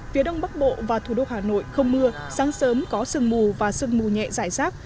phía đông bắc bộ và thủ đô hà nội không mưa sáng sớm có sương mù và sương mù nhẹ giải rác